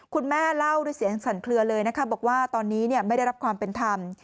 คุณแม่เล่าด้วยเสียงสั่นเคลือเลยนะคะบอกว่าตอนนี้ไม่ได้รับความเป็นธรรม